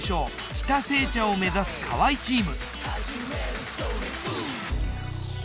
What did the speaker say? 喜多製茶を目指す河合チーム。